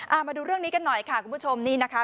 เอามาดูเรื่องนี้กันหน่อยค่ะคุณผู้ชมนี่นะคะ